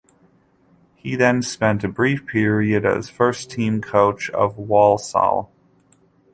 He then spent a brief period as first-team coach of Walsall.